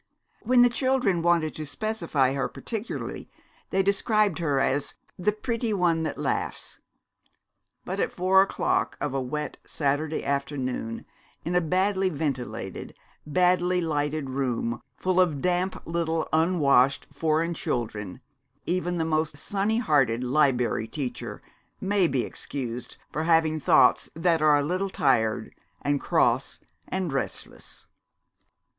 When the children wanted to specify her particularly they described her as "the pretty one that laughs." But at four o'clock of a wet Saturday afternoon, in a badly ventilated, badly lighted room full of damp little unwashed foreign children, even the most sunny hearted Liberry Teacher may be excused for having thoughts that are a little tired and cross and restless.